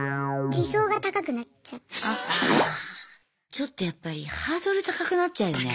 ちょっとやっぱりハードル高くなっちゃうよね。